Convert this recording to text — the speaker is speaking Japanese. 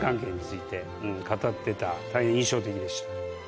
大変印象的でした。